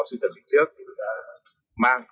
sưu tầm lịch sước để mang